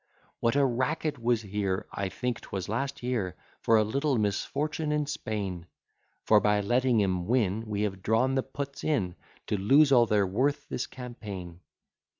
What a racket was here, (I think 'twas last year,) For a little misfortune in Spain! For by letting 'em win, We have drawn the puts in, To lose all they're worth this campaign.